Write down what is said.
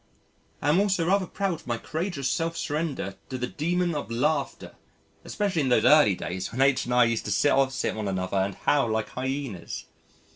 I am also rather proud of my courageous self surrender to the daemon of laughter, especially in those early days when H. and I used to sit opposite one another and howl like hyenas.